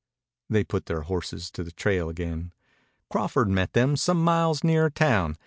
They put their horses to the trail again. Crawford met them some miles nearer town.